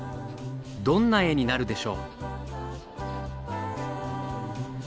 どんな絵になるでしょう？